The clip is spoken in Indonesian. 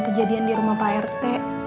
kejadian di rumah pak rt